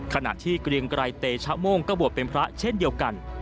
ขณะที่เกรียงไกรเตชะโม่งก็บวชเป็นพระเช่นเดียวกัน